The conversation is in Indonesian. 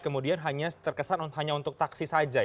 kemudian hanya terkesan hanya untuk taksi saja ya